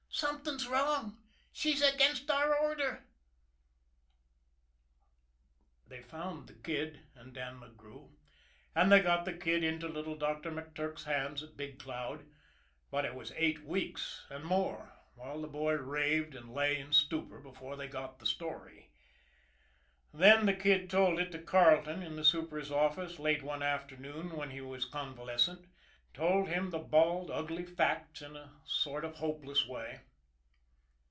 Something's wrong. She's against our order." They found the Kid and Dan McGrew, and they got the Kid into little Doctor McTurk's hands at Big Cloud but it was eight weeks and more, while the boy raved and lay in stupor, before they got the story. Then the Kid told it to Carleton in the super's office late one afternoon when he was convalescent told him the bald, ugly facts in a sort of hopeless way.